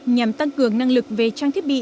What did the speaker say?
nhằm tăng cường năng lực về trang thiết bị